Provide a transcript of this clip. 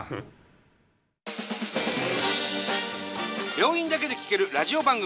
病院だけで聴けるラジオ番組。